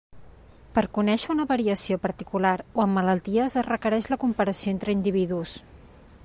Per conèixer una variació particular o en malalties es requereix la comparació entre individus.